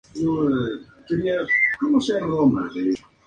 Instagram tiene un botón de Me gusta.